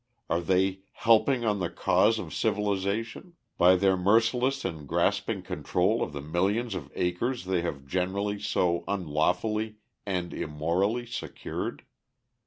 Are they "helping on the cause of civilization" by their merciless and grasping control of the millions of acres they have generally so unlawfully and immorally secured?